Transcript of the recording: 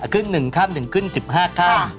ขึ้น๑ขั้น๑ขึ้น๑๕ขั้น